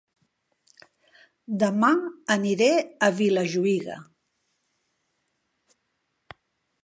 Dema aniré a Vilajuïga